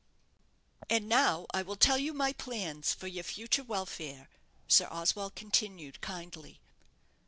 "And now I will tell you my plans for your future welfare," Sir Oswald continued, kindly.